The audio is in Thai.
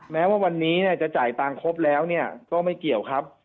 แม้ว่าวันนี้จะจ่ายตังค์ครบแล้วก็ไม่เกี่ยวครับ